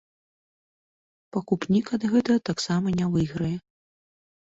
Пакупнік ад гэтага таксама не выйграе.